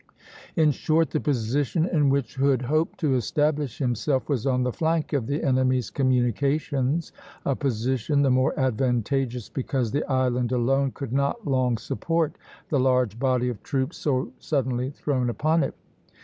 In short, the position in which Hood hoped to establish himself was on the flank of the enemy's communications, a position the more advantageous because the island alone could not long support the large body of troops so suddenly thrown upon it.